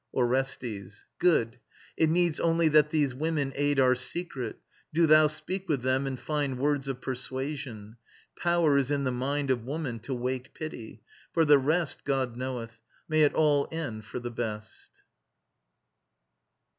ORESTES. Good. It needs only that these women aid Our secret. Do thou speak with them, and find Words of persuasion. Power is in the mind Of woman to wake pity. For the rest, God knoweth: may it all end for the best!